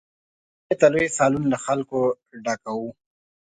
غرمې ته لوی سالون له خلکو ډک وو.